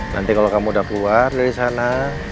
nanti kalau kamu udah keluar dari sana